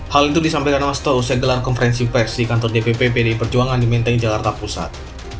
hal itu disampaikan wasto usai gelar konferensi pers di kantor dpp pdi perjuangan di menteng jakarta pusat